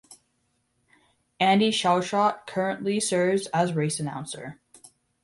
Andy Schachat currently serves as race announcer.